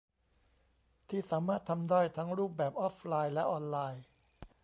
ที่สามารถทำได้ทั้งรูปแบบออฟไลน์และออนไลน์